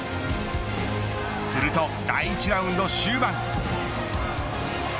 すると、第１ラウンド終盤。